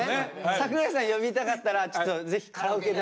桜井さん呼びたかったらちょっとぜひカラオケで。